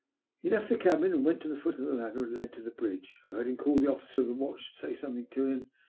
He left the cabin, and went to the foot of the ladder that led to the bridge. I heard him call the officer of the watch, and say something to him.